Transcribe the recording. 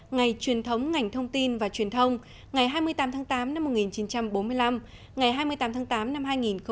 ngày truyền thống ngành thông tin và truyền thông ngày hai mươi tám tháng tám năm một nghìn chín trăm bốn mươi năm ngày hai mươi tám tháng tám năm hai nghìn một mươi chín